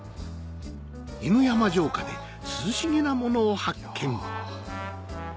犬山城下で涼しげなものを発見